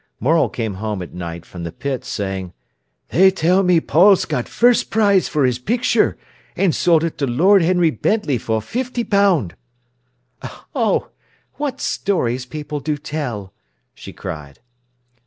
Morel came home at night from the pit, saying: "They tell me Paul's got first prize for his picture, and sold it to Lord Henry Bentley for fifty pound." "Oh, what stories people do tell!" she cried.